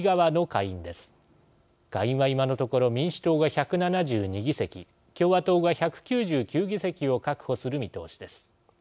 下院は今のところ民主党が１７２議席共和党が１９９議席を確保する見通しです。